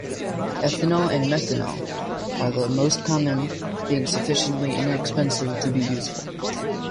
Ethanol and methanol are the most common, being sufficiently inexpensive to be useful.